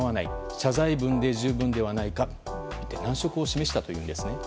謝罪文で十分ではないかと難色を示したというんです。